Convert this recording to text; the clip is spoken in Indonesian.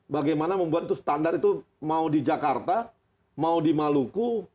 bagaimana membuat itu standar itu mau di jakarta mau di maluku